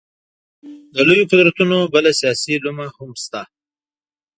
د لویو قدرتونو بله سیاسي لومه هم شته.